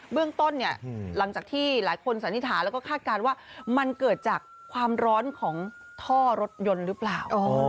เรื่องต้นเนี่ยหลังจากที่หลายคนสันนิษฐานแล้วก็คาดการณ์ว่ามันเกิดจากความร้อนของท่อรถยนต์หรือเปล่า